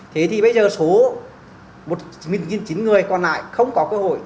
thế thì bây giờ số một chín trăm linh người còn lại không có cơ hội